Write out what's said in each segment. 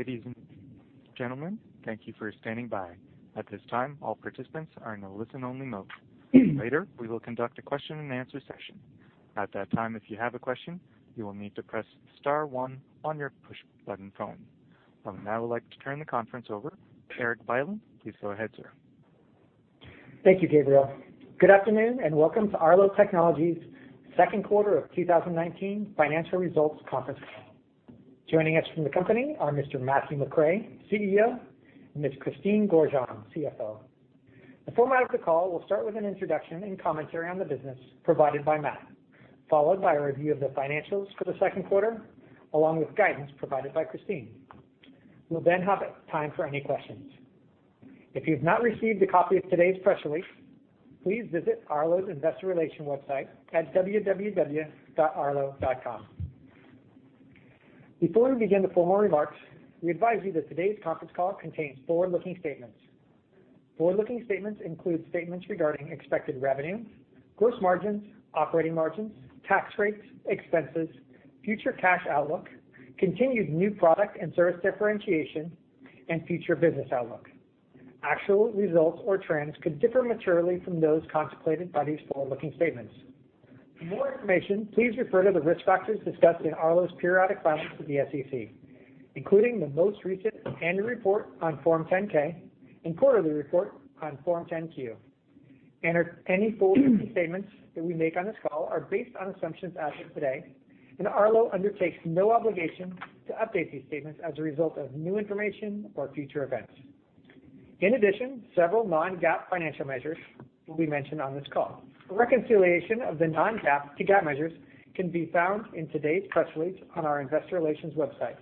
Ladies and gentlemen, thank you for standing by. At this time, all participants are in a listen-only mode. Later, we will conduct a question-and-answer session. At that time, if you have a question, you will need to press star one on your push-button phone. I would now like to turn the conference over to Erik Bylin. Please go ahead, sir. Thank you, Gabriel. Good afternoon, and welcome to Arlo Technologies' second quarter of 2019 financial results conference call. Joining us from the company are Mr. Matthew McRae, CEO, and Ms. Christine Gorjanc, CFO. The format of the call will start with an introduction and commentary on the business provided by Matt, followed by a review of the financials for the second quarter, along with guidance provided by Christine. We'll then have time for any questions. If you've not received a copy of today's press release, please visit arlo.com. Before we begin the formal remarks, we advise you that today's conference call contains forward-looking statements. Forward-looking statements include statements regarding expected revenue, gross margins, operating margins, tax rates, expenses, future cash outlook, continued new product and service differentiation, and future business outlook. Actual results or trends could differ materially from those contemplated by these forward-looking statements. For more information, please refer to the risk factors discussed in Arlo's periodic filings with the SEC, including the most recent annual report on Form 10-K and quarterly report on Form 10-Q. Any forward-looking statements that we make on this call are based on assumptions as of today, and Arlo undertakes no obligation to update these statements as a result of new information or future events. In addition, several non-GAAP financial measures will be mentioned on this call. A reconciliation of the non-GAAP to GAAP measures can be found in today's press release on our investor relations website.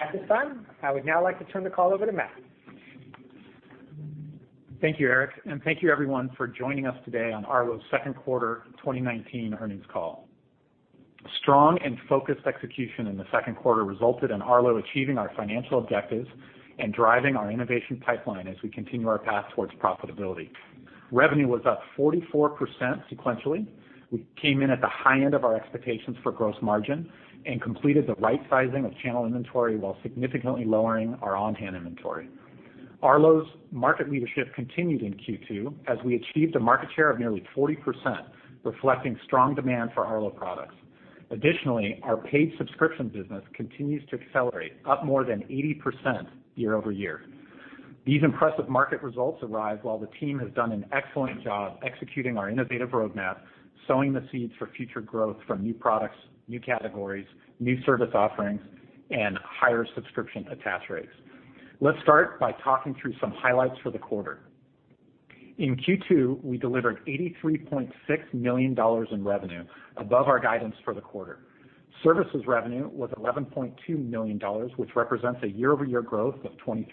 At this time, I would now like to turn the call over to Matt. Thank you, Erik, and thank you everyone for joining us today on Arlo's second quarter 2019 earnings call. Strong and focused execution in the second quarter resulted in Arlo achieving our financial objectives and driving our innovation pipeline as we continue our path towards profitability. Revenue was up 44% sequentially. We came in at the high end of our expectations for gross margin and completed the right sizing of channel inventory while significantly lowering our on-hand inventory. Arlo's market leadership continued in Q2 as we achieved a market share of nearly 40%, reflecting strong demand for Arlo products. Additionally, our paid subscription business continues to accelerate, up more than 80% year-over-year. These impressive market results arrive while the team has done an excellent job executing our innovative roadmap, sowing the seeds for future growth from new products, new categories, new service offerings, and higher subscription attach rates. Let's start by talking through some highlights for the quarter. In Q2, we delivered $83.6 million in revenue above our guidance for the quarter. Services revenue was $11.2 million, which represents a year-over-year growth of 23%.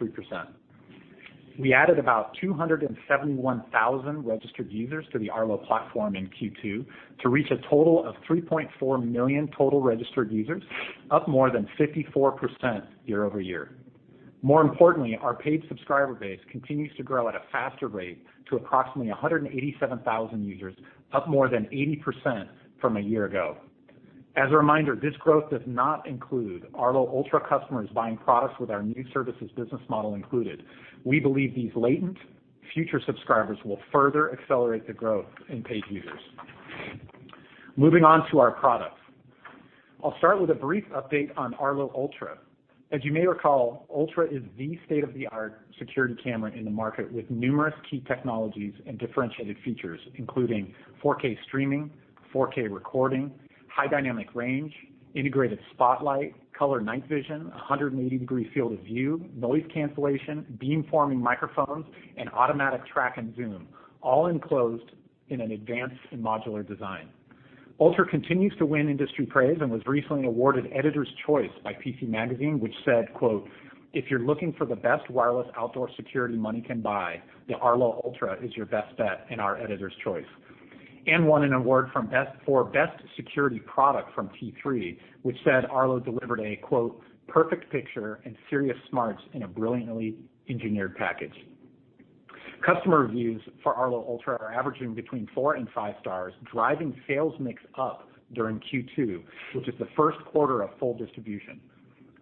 We added about 271,000 registered users to the Arlo platform in Q2 to reach a total of 3.4 million total registered users, up more than 54% year-over-year. More importantly, our paid subscriber base continues to grow at a faster rate to approximately 187,000 users, up more than 80% from a year ago. As a reminder, this growth does not include Arlo Ultra customers buying products with our new services business model included. We believe these latent future subscribers will further accelerate the growth in paid users. Moving on to our products. I'll start with a brief update on Arlo Ultra. As you may recall, Ultra is the state-of-the-art security camera in the market with numerous key technologies and differentiated features, including 4K streaming, 4K recording, high dynamic range, integrated spotlight, color night vision, 180-degree field of view, noise cancellation, beamforming microphones, and automatic track and zoom, all enclosed in an advanced and modular design. Ultra continues to win industry praise and was recently awarded Editor's Choice by PC Magazine, which said, quote, "If you're looking for the best wireless outdoor security money can buy, the Arlo Ultra is your best bet and our Editor's Choice." It won an award for best security product from T3, which said Arlo delivered a, quote, "perfect picture and serious smarts in a brilliantly engineered package." Customer reviews for Arlo Ultra are averaging between four and five stars, driving sales mix up during Q2, which is the first quarter of full distribution.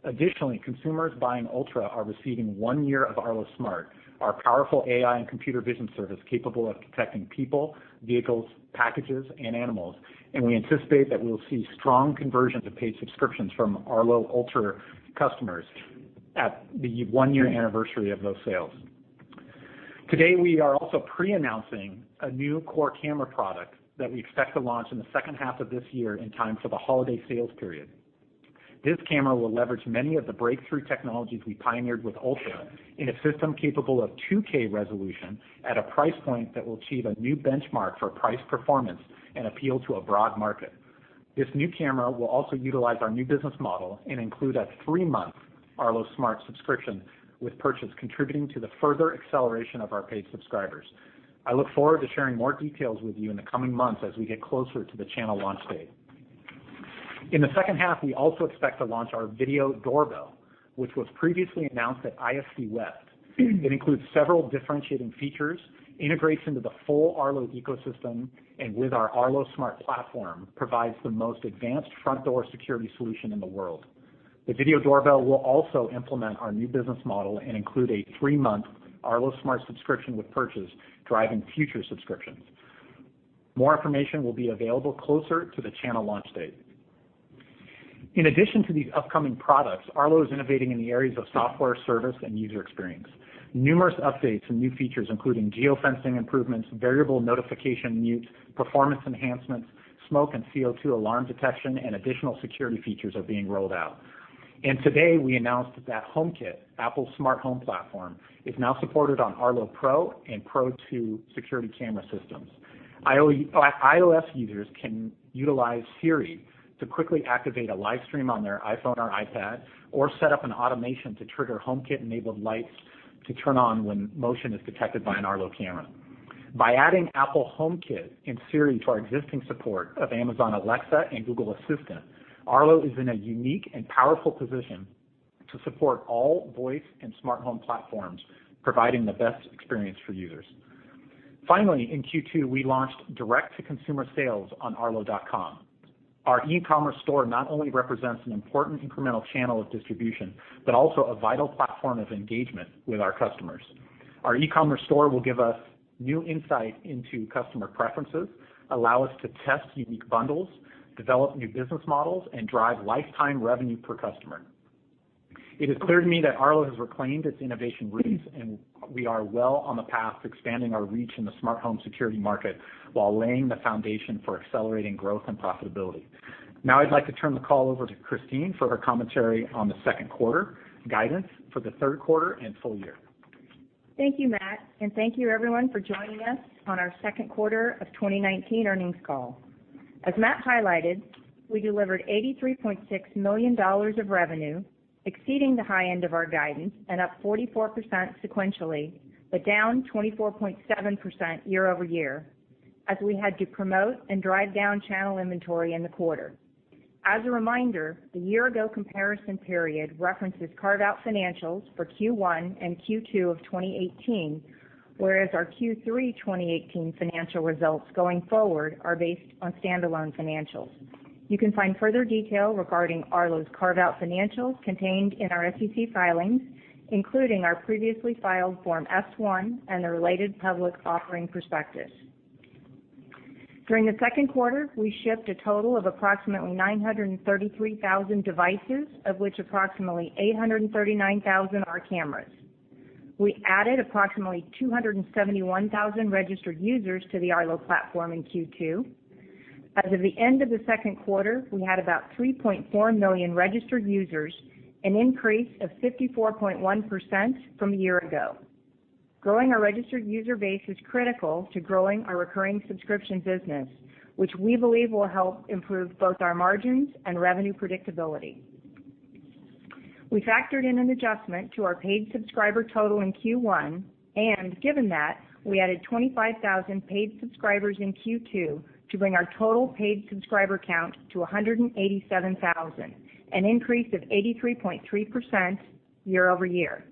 Additionally, consumers buying Arlo Ultra are receiving one year of Arlo Secure, our powerful AI and computer vision service capable of detecting people, vehicles, packages, and animals, and we anticipate that we'll see strong conversions of paid subscriptions from Arlo Ultra customers at the one-year anniversary of those sales. Today, we are also pre-announcing a new core camera product that we expect to launch in the second half of this year in time for the holiday sales period. This camera will leverage many of the breakthrough technologies we pioneered with Arlo Ultra in a system capable of 2K resolution at a price point that will achieve a new benchmark for price performance and appeal to a broad market. This new camera will also utilize our new business model and include a three-month Arlo Secure subscription with purchase, contributing to the further acceleration of our paid subscribers. I look forward to sharing more details with you in the coming months as we get closer to the channel launch date. In the second half, we also expect to launch our Video Doorbell, which was previously announced at ISC West. It includes several differentiating features, integrates into the full Arlo ecosystem, and with our Arlo Smart platform, provides the most advanced front door security solution in the world. The Video Doorbell will also implement our new business model and include a three-month Arlo Smart subscription with purchase, driving future subscriptions. More information will be available closer to the channel launch date. In addition to these upcoming products, Arlo is innovating in the areas of software service and user experience. Numerous updates and new features, including geo-fencing improvements, variable notification mute, performance enhancements, smoke and CO2 alarm detection, and additional security features are being rolled out. Today, we announced that HomeKit, Apple's smart home platform, is now supported on Arlo Pro and Pro 2 security camera systems. iOS users can utilize Siri to quickly activate a live stream on their iPhone or iPad, or set up an automation to trigger HomeKit-enabled lights to turn on when motion is detected by an Arlo camera. By adding Apple HomeKit and Siri to our existing support of Amazon Alexa and Google Assistant, Arlo is in a unique and powerful position to support all voice and smart home platforms, providing the best experience for users. Finally, in Q2, we launched direct-to-consumer sales on arlo.com. Our e-commerce store not only represents an important incremental channel of distribution, but also a vital platform of engagement with our customers. Our e-commerce store will give us new insight into customer preferences, allow us to test unique bundles, develop new business models, and drive lifetime revenue per customer. It is clear to me that Arlo has reclaimed its innovation roots, and we are well on the path to expanding our reach in the smart home security market, while laying the foundation for accelerating growth and profitability. Now I'd like to turn the call over to Christine for her commentary on the second quarter, guidance for the third quarter, and full year. Thank you, Matt, and thank you everyone for joining us on our second quarter of 2019 earnings call. As Matt highlighted, we delivered $83.6 million of revenue, exceeding the high end of our guidance and up 44% sequentially, but down 24.7% year-over-year, as we had to promote and drive down channel inventory in the quarter. As a reminder, the year-ago comparison period references carve-out financials for Q1 and Q2 of 2018, whereas our Q3 2018 financial results going forward are based on standalone financials. You can find further detail regarding Arlo's carve-out financials contained in our SEC filings, including our previously filed Form S-1 and the related public offering prospectus. During the second quarter, we shipped a total of approximately 933,000 devices, of which approximately 839,000 are cameras. We added approximately 271,000 registered users to the Arlo platform in Q2. As of the end of the second quarter, we had about 3.4 million registered users, an increase of 54.1% from a year ago. Growing our registered user base is critical to growing our recurring subscription business, which we believe will help improve both our margins and revenue predictability. We factored in an adjustment to our paid subscriber total in Q1, and given that, we added 25,000 paid subscribers in Q2 to bring our total paid subscriber count to 187,000, an increase of 83.3% year-over-year.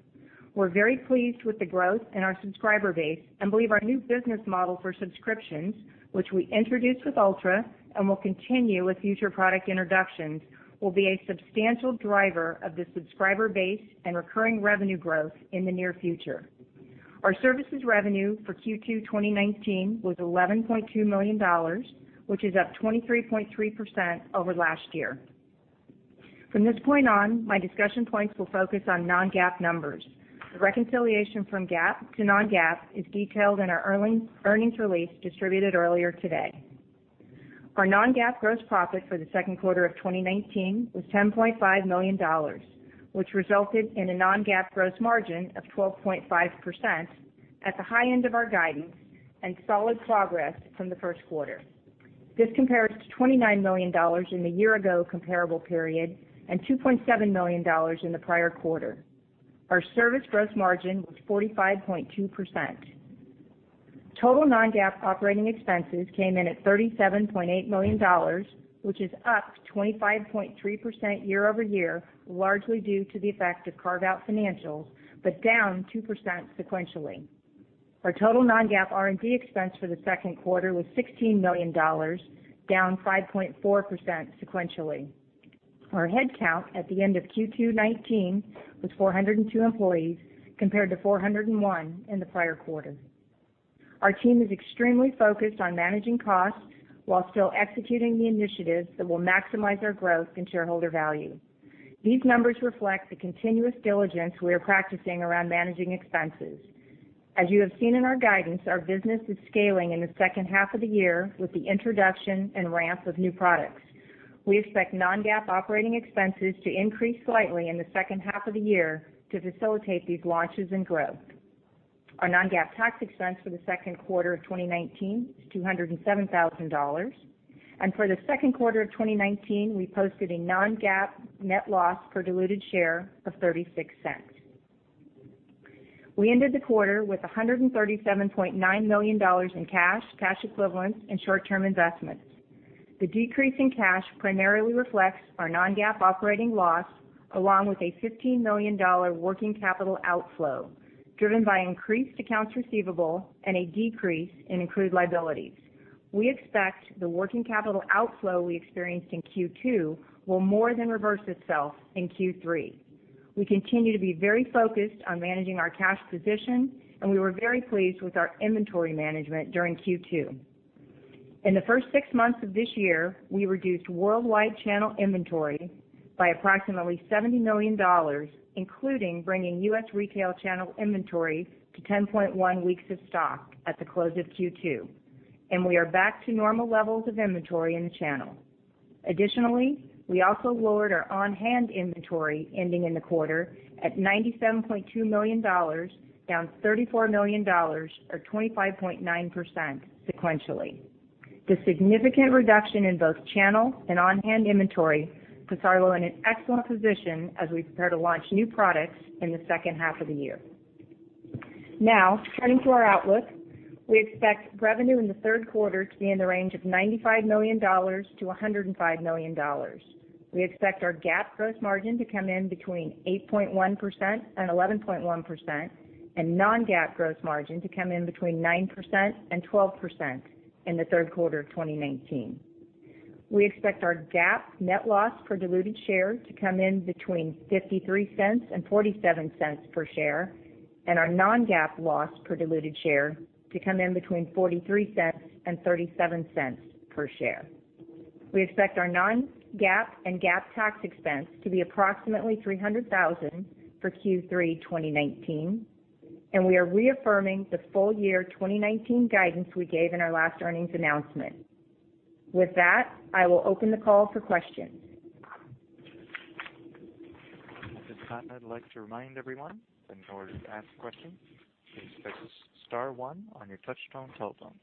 We're very pleased with the growth in our subscriber base and believe our new business model for subscriptions, which we introduced with Ultra and will continue with future product introductions, will be a substantial driver of the subscriber base and recurring revenue growth in the near future. Our services revenue for Q2 2019 was $11.2 million, which is up 23.3% over last year. From this point on, my discussion points will focus on non-GAAP numbers. The reconciliation from GAAP to non-GAAP is detailed in our earnings release distributed earlier today. Our non-GAAP gross profit for the second quarter of 2019 was $10.5 million, which resulted in a non-GAAP gross margin of 12.5% at the high end of our guidance and solid progress from the first quarter. This compares to $29 million in the year-ago comparable period and $2.7 million in the prior quarter. Our service gross margin was 45.2%. Total non-GAAP operating expenses came in at $37.8 million, which is up 25.3% year-over-year, largely due to the effect of carve-out financials, but down 2% sequentially. Our total non-GAAP R&D expense for the second quarter was $16 million, down 5.4% sequentially. Our headcount at the end of Q2 '19 was 402 employees, compared to 401 in the prior quarter. Our team is extremely focused on managing costs while still executing the initiatives that will maximize our growth and shareholder value. These numbers reflect the continuous diligence we are practicing around managing expenses. As you have seen in our guidance, our business is scaling in the second half of the year with the introduction and ramp of new products. We expect non-GAAP operating expenses to increase slightly in the second half of the year to facilitate these launches and growth. Our non-GAAP tax expense for the second quarter of 2019 is $207,000, and for the second quarter of 2019, we posted a non-GAAP net loss per diluted share of $0.36. We ended the quarter with $137.9 million in cash equivalents, and short-term investments. The decrease in cash primarily reflects our non-GAAP operating loss, along with a $15 million working capital outflow, driven by increased accounts receivable and a decrease in accrued liabilities. We expect the working capital outflow we experienced in Q2 will more than reverse itself in Q3. We continue to be very focused on managing our cash position, and we were very pleased with our inventory management during Q2. In the first six months of this year, we reduced worldwide channel inventory by approximately $70 million, including bringing U.S. retail channel inventory to 10.1 weeks of stock at the close of Q2, and we are back to normal levels of inventory in the channel. Additionally, we also lowered our on-hand inventory ending in the quarter at $97.2 million, down $34 million, or 25.9% sequentially. The significant reduction in both channel and on-hand inventory puts Arlo in an excellent position as we prepare to launch new products in the second half of the year. Now, turning to our outlook. We expect revenue in the third quarter to be in the range of $95 million-$105 million. We expect our GAAP gross margin to come in between 8.1% and 11.1%, and non-GAAP gross margin to come in between 9% and 12% in the third quarter of 2019. We expect our GAAP net loss per diluted share to come in between $0.53 and $0.47 per share, and our non-GAAP loss per diluted share to come in between $0.43 and $0.37 per share. We expect our non-GAAP and GAAP tax expense to be approximately $300,000 for Q3 2019. We are reaffirming the full year 2019 guidance we gave in our last earnings announcement. With that, I will open the call for questions. At this time, I'd like to remind everyone that in order to ask questions, please press star one on your touchtone telephone.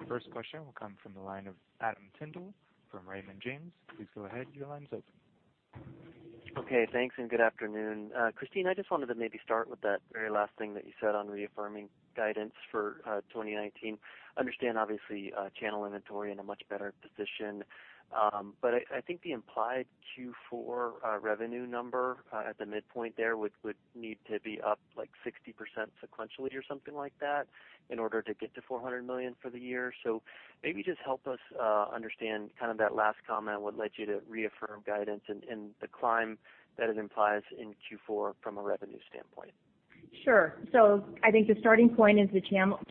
The first question will come from the line of Adam Tindle from Raymond James. Please go ahead, your line's open. Okay, thanks, and good afternoon. Christine, I just wanted to maybe start with that very last thing that you said on reaffirming guidance for 2019. Understand, obviously, channel inventory in a much better position. I think the implied Q4 revenue number at the midpoint there would need to be up 60% sequentially or something like that in order to get to $400 million for the year. Maybe just help us understand that last comment, what led you to reaffirm guidance and the climb that it implies in Q4 from a revenue standpoint. Sure. I think the starting point is the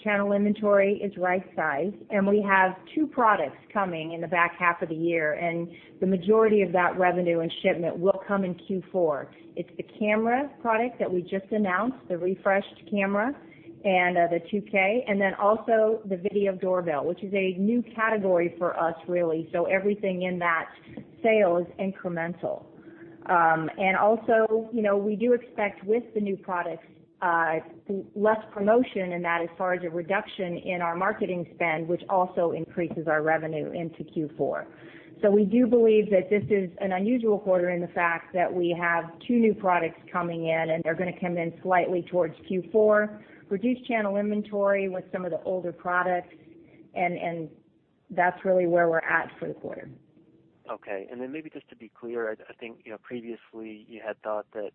channel inventory is right-sized, and we have two products coming in the back half of the year, and the majority of that revenue and shipment will come in Q4. It's the camera product that we just announced, the refreshed camera, and the 2K, and then also the Video Doorbell, which is a new category for us, really. Everything in that sale is incremental. Also, we do expect with the new products, less promotion in that as far as a reduction in our marketing spend, which also increases our revenue into Q4. We do believe that this is an unusual quarter in the fact that we have two new products coming in, and they're going to come in slightly towards Q4, reduce channel inventory with some of the older products, and that's really where we're at for the quarter. Okay. Maybe just to be clear, I think previously you had thought that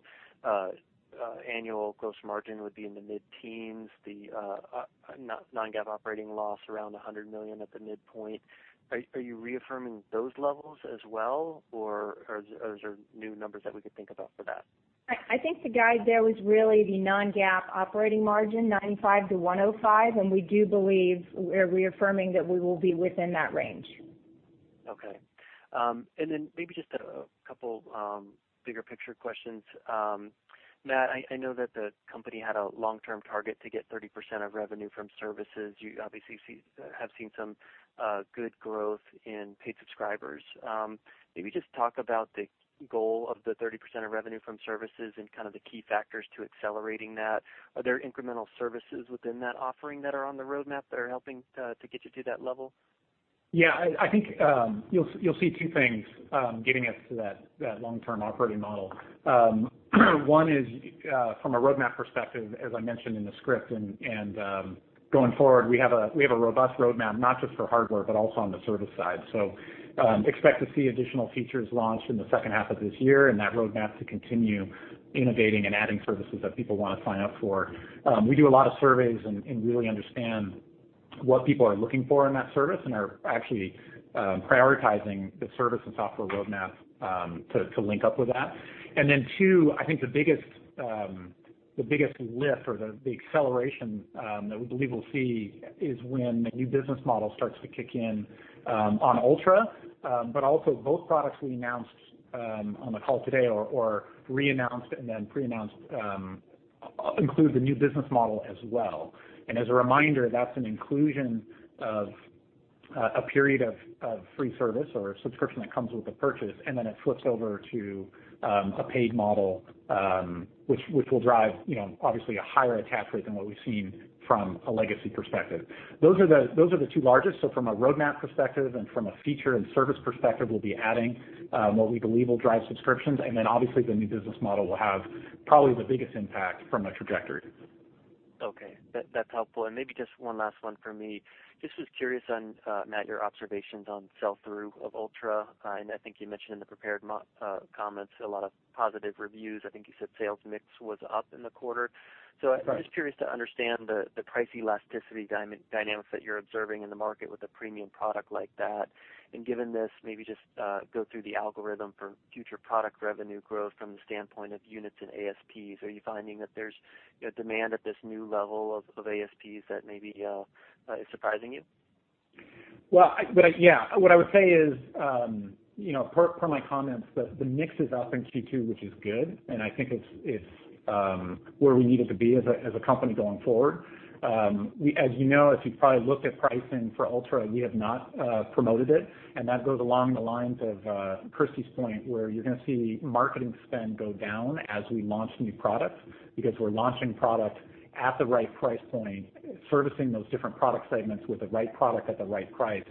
annual gross margin would be in the mid-teens, the non-GAAP operating loss around $100 million at the midpoint. Are you reaffirming those levels as well, or are those new numbers that we could think about for that? I think the guide there was really the non-GAAP operating margin, 95%-105%, and we do believe we're reaffirming that we will be within that range. Okay. Maybe just a couple bigger picture questions. Matt, I know that the company had a long-term target to get 30% of revenue from services. You obviously have seen some good growth in paid subscribers. Maybe just talk about the goal of the 30% of revenue from services and kind of the key factors to accelerating that. Are there incremental services within that offering that are on the roadmap that are helping to get you to that level? I think you'll see two things getting us to that long-term operating model. One is from a roadmap perspective, as I mentioned in the script, going forward, we have a robust roadmap, not just for hardware, but also on the service side. Expect to see additional features launched in the second half of this year and that roadmap to continue innovating and adding services that people want to sign up for. We do a lot of surveys and really understand what people are looking for in that service and are actually prioritizing the service and software roadmap to link up with that. Then two, I think the biggest lift or the acceleration that we believe we'll see is when the new business model starts to kick in on Ultra. Also both products we announced on the call today, or re-announced and then pre-announced, include the new business model as well. As a reminder, that's an inclusion of a period of free service or a subscription that comes with a purchase, and then it flips over to a paid model, which will drive, obviously, a higher attach rate than what we've seen from a legacy perspective. Those are the two largest. From a roadmap perspective and from a feature and service perspective, we'll be adding what we believe will drive subscriptions. Then obviously, the new business model will have probably the biggest impact from a trajectory. Okay. That's helpful. Maybe just one last one for me. Just was curious on, Matt, your observations on sell-through of Ultra, and I think you mentioned in the prepared comments a lot of positive reviews. I think you said sales mix was up in the quarter. Right. I'm just curious to understand the price elasticity dynamics that you're observing in the market with a premium product like that. Given this, maybe just go through the algorithm for future product revenue growth from the standpoint of units and ASPs. Are you finding that there's demand at this new level of ASPs that maybe is surprising you? Well, yeah. What I would say is, per my comments, the mix is up in Q2, which is good, and I think it's where we need it to be as a company going forward. As you know, if you've probably looked at pricing for Ultra, we have not promoted it, and that goes along the lines of Christine's point, where you're going to see marketing spend go down as we launch new products, because we're launching product at the right price point, servicing those different product segments with the right product at the right price,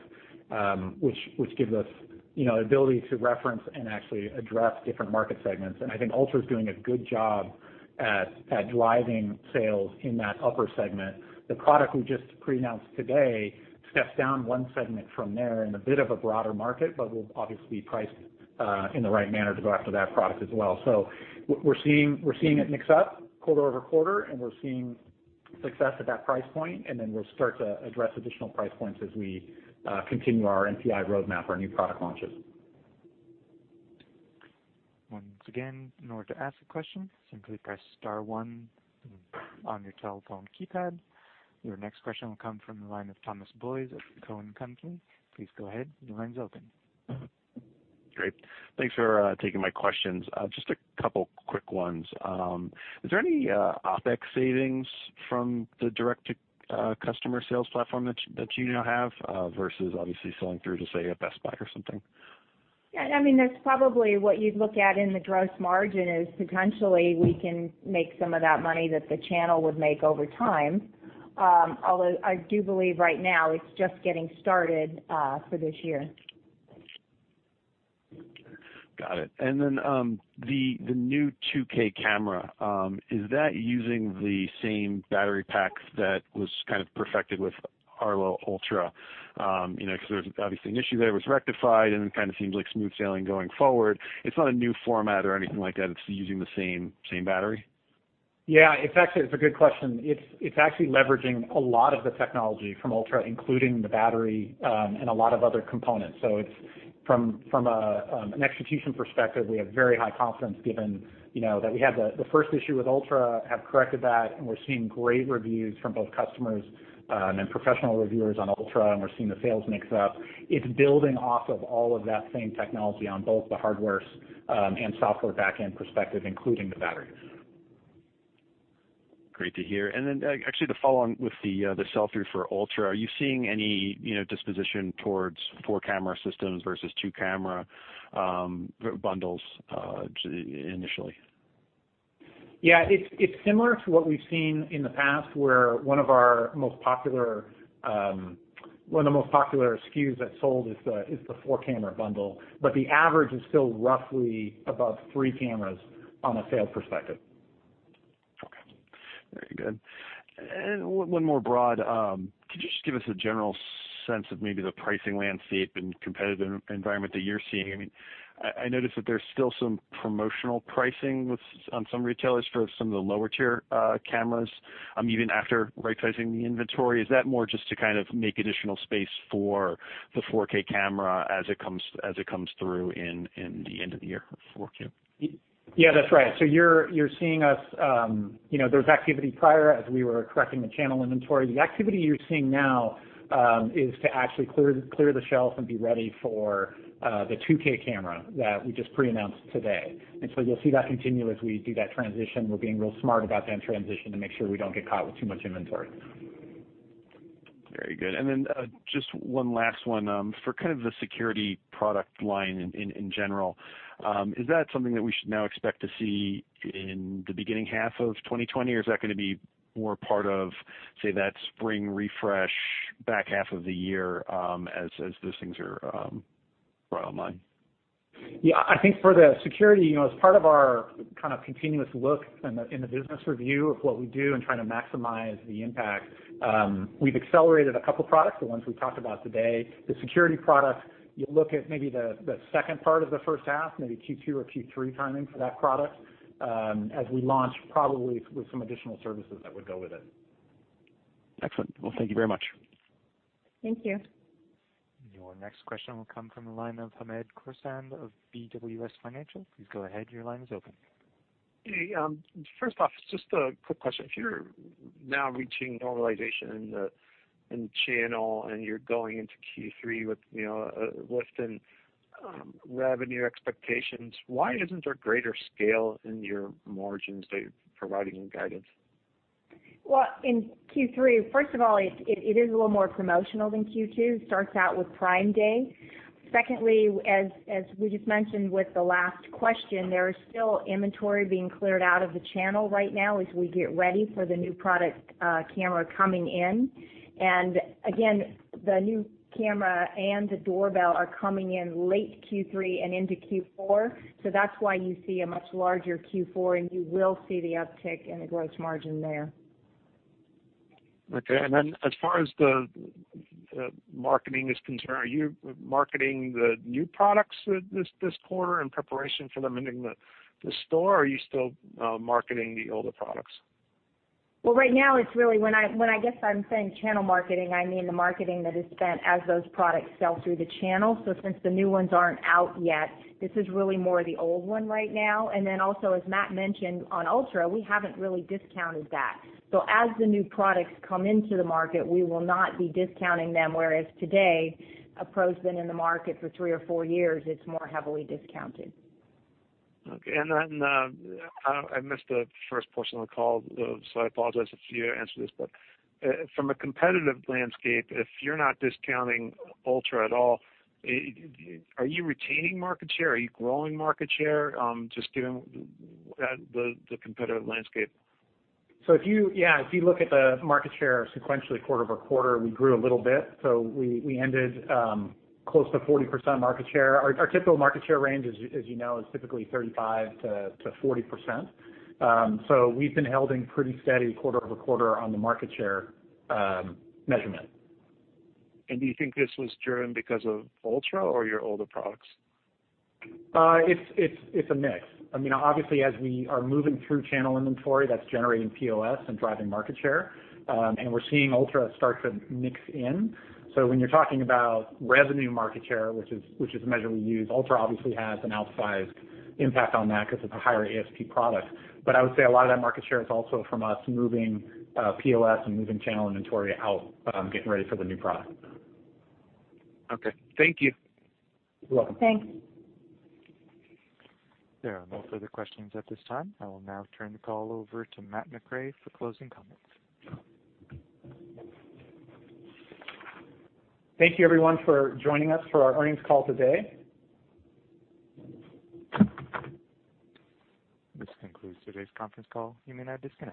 which gives us ability to reference and actually address different market segments. I think Ultra's doing a good job at driving sales in that upper segment. The product we just pre-announced today steps down one segment from there in a bit of a broader market, we'll obviously price in the right manner to go after that product as well. We're seeing it mix up quarter-over-quarter, we're seeing success at that price point, we'll start to address additional price points as we continue our NPI roadmap for our new product launches. Once again, in order to ask a question, simply press star one on your telephone keypad. Your next question will come from the line of Thomas Boyes at Cowen and Company. Please go ahead. Your line's open. Great. Thanks for taking my questions. Just a couple quick ones. Is there any OpEx savings from the direct-to-customer sales platform that you now have, versus obviously selling through, just say, a Best Buy or something? That's probably what you'd look at in the gross margin is potentially we can make some of that money that the channel would make over time. Although I do believe right now it's just getting started for this year. Got it. The new 2K camera, is that using the same battery pack that was kind of perfected with Arlo Ultra? There was obviously an issue there. It was rectified, and it kind of seems like smooth sailing going forward. It's not a new format or anything like that. It's using the same battery? Yeah, it's a good question. It's actually leveraging a lot of the technology from Arlo Ultra, including the battery, and a lot of other components. From an execution perspective, we have very high confidence given that we had the first issue with Arlo Ultra, have corrected that, and we're seeing great reviews from both customers and professional reviewers on Arlo Ultra, and we're seeing the sales mix up. It's building off of all of that same technology on both the hardware and software backend perspective, including the battery. Great to hear. Actually to follow on with the sell-through for Ultra, are you seeing any disposition towards four-camera systems versus two-camera bundles initially? It's similar to what we've seen in the past, where one of the most popular SKUs that sold is the four-camera bundle. The average is still roughly above three cameras on a sales perspective. Okay. Very good. One more broad, could you just give us a general sense of maybe the pricing landscape and competitive environment that you're seeing? I noticed that there's still some promotional pricing on some retailers for some of the lower-tier cameras, even after right-sizing the inventory. Is that more just to kind of make additional space for the 4K camera as it comes through in the end of the year, 4Q? Yeah, that's right. You're seeing us, there was activity prior as we were correcting the channel inventory. The activity you're seeing now is to actually clear the shelf and be ready for the 2K camera that we just pre-announced today. You'll see that continue as we do that transition. We're being real smart about that transition to make sure we don't get caught with too much inventory. Very good. Just one last one. For kind of the security product line in general, is that something that we should now expect to see in the beginning half of 2020, or is that going to be more part of, say, that spring refresh back half of the year as those things are brought online? Yeah. I think for the security, as part of our kind of continuous look in the business review of what we do and trying to maximize the impact, we've accelerated a couple products, the ones we talked about today. The security product, you look at maybe the second part of the first half, maybe Q2 or Q3 timing for that product as we launch probably with some additional services that would go with it. Excellent. Well, thank you very much. Thank you. Your next question will come from the line of Hamed Khorsand of BWS Financial. Please go ahead, your line is open. Hey. First off, just a quick question. If you're now reaching normalization in the channel and you're going into Q3 with a lift in revenue expectations, why isn't there greater scale in your margins that you're providing in guidance? Well, in Q3, first of all, it is a little more promotional than Q2. Starts out with Prime Day. Secondly, as we just mentioned with the last question, there is still inventory being cleared out of the channel right now as we get ready for the new product camera coming in. Again, the new camera and the doorbell are coming in late Q3 and into Q4. That's why you see a much larger Q4, and you will see the uptick in the gross margin there. Okay. Then as far as the marketing is concerned, are you marketing the new products this quarter in preparation for them entering the store, or are you still marketing the older products? Well, right now it's really when, I guess I'm saying channel marketing, I mean the marketing that is spent as those products sell through the channel. Since the new ones aren't out yet, this is really more the old one right now. As Matt mentioned, on Arlo Ultra, we haven't really discounted that. As the new products come into the market, we will not be discounting them, whereas today, an Arlo Pro's been in the market for three or four years, it's more heavily discounted. Okay. I missed the first portion of the call, so I apologize if you answered this, but from a competitive landscape, if you're not discounting Ultra at all, are you retaining market share? Are you growing market share, just given the competitive landscape? If you look at the market share sequentially quarter-over-quarter, we grew a little bit. We ended close to 40% market share. Our typical market share range, as you know, is typically 35%-40%. We've been holding pretty steady quarter-over-quarter on the market share measurement. Do you think this was driven because of Ultra or your older products? It's a mix. Obviously, as we are moving through channel inventory, that's generating POS and driving market share, and we're seeing Arlo Ultra start to mix in. When you're talking about revenue market share, which is the measure we use, Arlo Ultra obviously has an outsized impact on that because it's a higher ASP product. I would say a lot of that market share is also from us moving POS and moving channel inventory out, getting ready for the new product. Okay. Thank you. You're welcome. Thanks. There are no further questions at this time. I will now turn the call over to Matthew McRae for closing comments. Thank you everyone for joining us for our earnings call today. This concludes today's conference call. You may now disconnect.